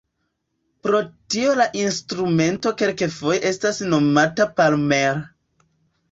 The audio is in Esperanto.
Pro tio la instrumento kelkfoje estas nomata "palmer".